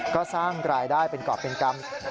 ก็สร้างรายได้เป็นกรอบเป็นกรรม